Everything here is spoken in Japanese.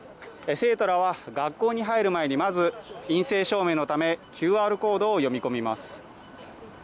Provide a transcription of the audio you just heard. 生徒らは学校に入る前にまず陰性証明のためＱＲコードを読み込みます